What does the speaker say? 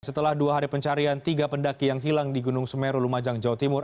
setelah dua hari pencarian tiga pendaki yang hilang di gunung semeru lumajang jawa timur